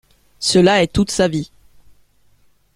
Cela est toute sa vie.